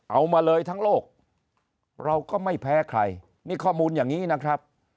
เอามาเลยทั้งโลกเราก็ไม่แพ้ใครนี่ข้อมูลอย่างนี้นะครับ